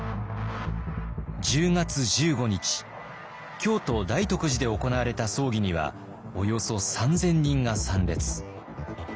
京都・大徳寺で行われた葬儀にはおよそ３，０００人が参列。